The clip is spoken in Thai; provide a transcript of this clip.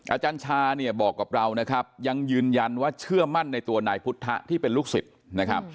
อาจารย์ชาบอกกับเรายังยืนยันว่าเชื่อมั่นในตัวนายพุทธะที่เป็นลูกศิษย์